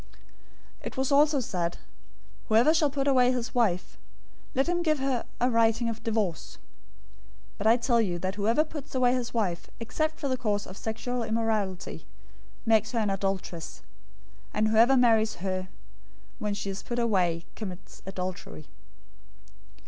{or, Hell} 005:031 "It was also said, 'Whoever shall put away his wife, let him give her a writing of divorce,'{Deuteronomy 24:1} 005:032 but I tell you that whoever puts away his wife, except for the cause of sexual immorality, makes her an adulteress; and whoever marries her when she is put away commits adultery.